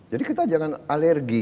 jadi kita jangan alergi